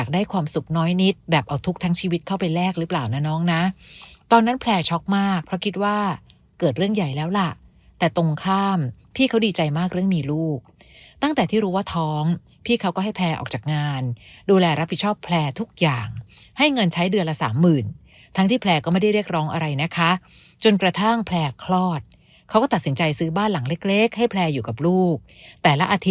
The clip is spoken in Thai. ดังนั้นแพร่ช็อกมากเพราะคิดว่าเกิดเรื่องใหญ่แล้วล่ะแต่ตรงข้ามพี่เขาดีใจมากเรื่องมีลูกตั้งแต่ที่รู้ว่าท้องพี่เขาก็ให้แพร่ออกจากงานดูแลรับผิดชอบแพร่ทุกอย่างให้เงินใช้เดือนละสามหมื่นทั้งที่แพร่ก็ไม่ได้เรียกร้องอะไรนะคะจนกระทั่งแพร่คลอดเขาก็ตัดสินใจซื้อบ้านหลังเล็กให้แพร่อยู่กับลูกแต่ล